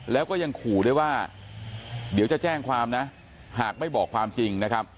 แล้วก็ยังขู่ด้วยว่าเดี๋ยวจะแจ้งความนะหากไม่บอกความจริงนะครับ